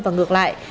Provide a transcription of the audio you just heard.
và ngược lại